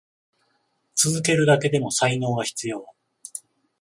続けるだけでも才能が必要。